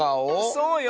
そうよ。